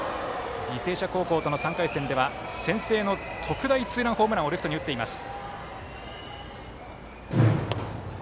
履正社高校との３回戦では先制の特大ツーランホームランをレフトに打っています。